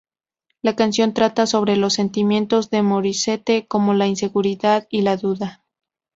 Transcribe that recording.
La canción trata sobre los sentimientos de Morissette, como la inseguridad y la duda.